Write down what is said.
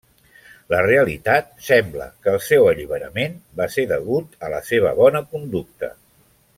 La realitat sembla que el seu alliberament va ser degut a la seva bona conducta.